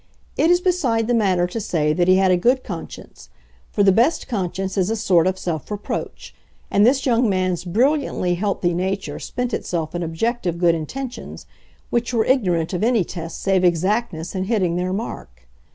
It is beside the matter to say that he had a good conscience; for the best conscience is a sort of self reproach, and this young man's brilliantly healthy nature spent itself in objective good intentions which were ignorant of any test save exactness in hitting their mark.